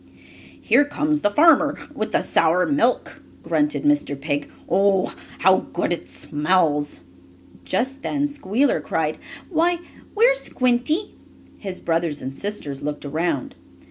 "Here comes the farmer with the sour milk," grunted Mr. Pig. "Oh, how good it smells!" Just then Squealer cried: "Why, where's Squinty?" His brothers and sisters looked around.